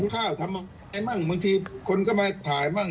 ข้าวทำไอ้มั่งบางทีคนก็มาถ่ายมั่ง